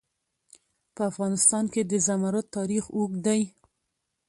په افغانستان کې د زمرد تاریخ اوږد دی.